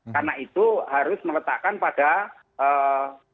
karena itu harus meletakkan pada bagaimana